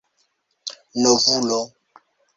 novulo